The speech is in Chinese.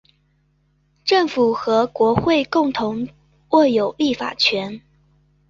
政府和国会共同握有立法权。